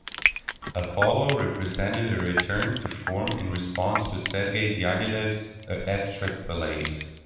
"Apollo" represented a return to form in response to Sergei Diaghilev's abstract ballets.